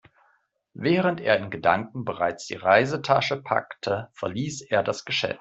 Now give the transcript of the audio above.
Während er in Gedanken bereits die Reisetasche packte, verließ er das Geschäft.